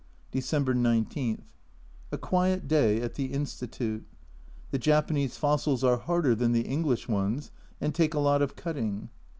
December 19. A quiet day at the Institute. The Japanese fossils are harder than the English ones, and take a lot of cutting.